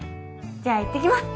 じゃあ行ってきます。